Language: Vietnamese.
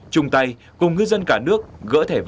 chung tay cùng ngư dân cả nước gỡ thẻ vàng